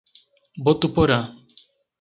Botuporã